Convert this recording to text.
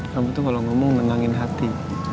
kamu tuh kalau ngomong menangin hati